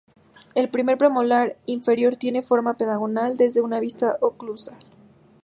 El primer "premolar" inferior tiene forma pentagonal desde una vista oclusal.